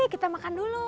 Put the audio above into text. kita makan dulu